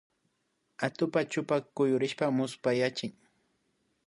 Atukpa chupa kuyurishpaka muspayachin